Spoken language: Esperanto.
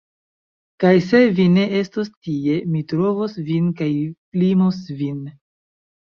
Kaj se vi ne estos tie, mi trovos vin kaj flimos vin.